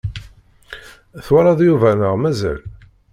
Twalaḍ Yuba neɣ mazal?